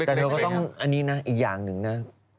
แต่เธอก็ต้องอันนี้นะอีกอย่างหนึ่งนะ